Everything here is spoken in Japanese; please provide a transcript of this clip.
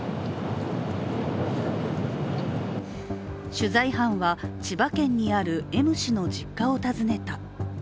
取材班は千葉県にあるＭ氏の実家を訪ねた。